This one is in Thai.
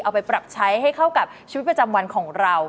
เอาไปปรับใช้ให้เข้ากับชีวิตประจำวันของเรา